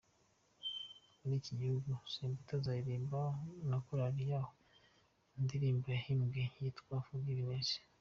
Muri iki gihugu, Samputu azaririmbana na Korari yaho indirimbo yahimbye yitwa “Forgivness”.